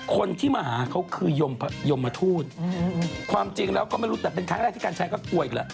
คนที่มาหาเขาคือยมยมทูตความจริงแล้วก็ไม่รู้แต่เป็นครั้งแรกที่กัญชัยก็กลัวอีกแล้ว